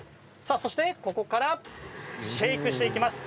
ここからシェークしていきます。